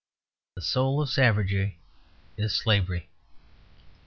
The soul of savagery is slavery.